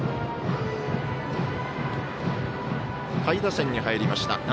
下位打線に入りました。